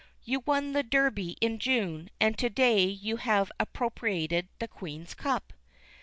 "You won the Derby in June, and to day you have appropriated the Queen's Cup."